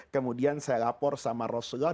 kemudian saya lapor sama rasulullah